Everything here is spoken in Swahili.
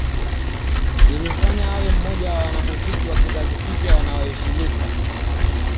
Ilimfanya awe mmoja wa wanamuziki wa kizazi kipya wanaoheshimika